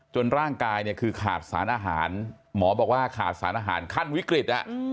ร่างกายเนี่ยคือขาดสารอาหารหมอบอกว่าขาดสารอาหารขั้นวิกฤต